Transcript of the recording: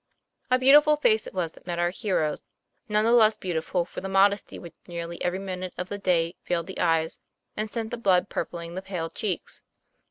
A beautiful face it was that met our hero's, nonetheless beautiful for the modesty which nearly every minute of the day veiled the eyes, and sent the blood purpling the pale cheeks.